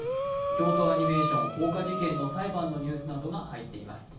京都アニメーション放火事件の裁判のニュースなどが入ってています。